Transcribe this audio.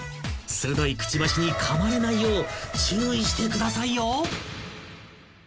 ［鋭いくちばしにかまれないよう注意してくださいよ］